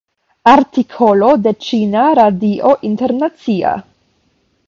Artikolo de Ĉina Radio Internacia.